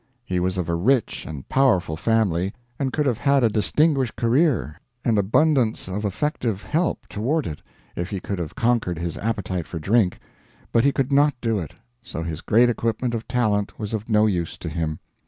He was of a rich and powerful family, and could have had a distinguished career and abundance of effective help toward it if he could have conquered his appetite for drink; but he could not do it, so his great equipment of talent was of no use to him.